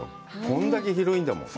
これだけ広いんだもん。